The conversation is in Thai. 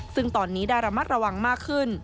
ซึ่งตอนนี้ได้ระมัดระวังมากขึ้น